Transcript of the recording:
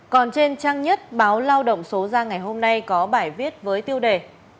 còn trên trang nhất báo lao động số ra ngày hôm nay có bài viết với tiêu đề